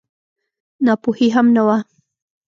ناپوهي هم نه وه.